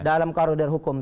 dalam koridor hukum